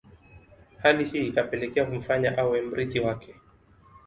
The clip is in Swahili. Hali hii ikapelekea kumfanya awe mrithi wake